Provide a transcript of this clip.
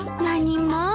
何も。